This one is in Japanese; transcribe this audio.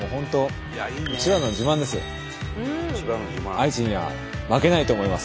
愛知には負けないと思います。